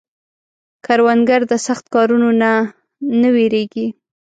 کروندګر د سخت کارونو نه نه وېرېږي